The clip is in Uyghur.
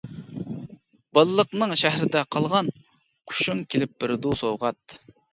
بالىلىقنىڭ شەھىرىدە قالغان، قۇشۇڭ كېلىپ بېرىدۇ سوۋغات.